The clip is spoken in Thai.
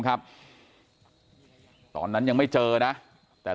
กลุ่มตัวเชียงใหม่